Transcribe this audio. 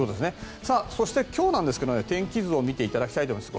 そして、今日ですが天気図を見ていただきたいと思います。